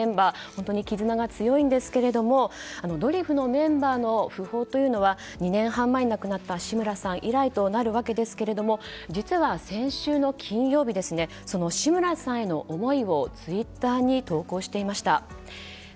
本当に絆が強いんですけどもドリフのメンバーの訃報というのは２年半前に亡くなった志村さん以来となるわけですが実は、先週の金曜日志村さんへの思いをツイッターに投稿していました。